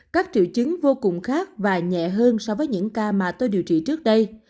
các triệu chứng vô cùng khác và nhẹ hơn so với những ca mà tôi điều trị trước đây